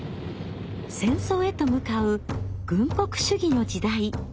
戦争へと向かう軍国主義の時代。